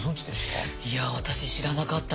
いや私知らなかったんです。